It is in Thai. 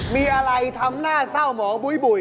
มีอะไรทำหน้าเศร้าหมองบุ๋ย